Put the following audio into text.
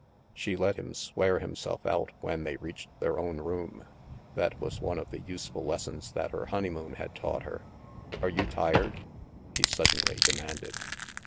She let him swear himself out when they reached their own room ; that was one of the useful lessons that her honeymoon had taught her. " Are you tired? " he suddenly demanded.